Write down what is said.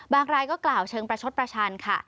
รายก็กล่าวเชิงประชดประชันค่ะ